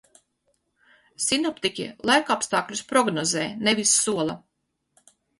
Sinoptiķi laikapstākļus prognozē, nevis sola.